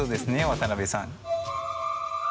渡部さん。